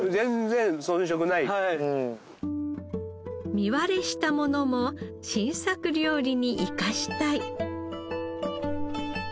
実割れしたものも新作料理に生かしたい。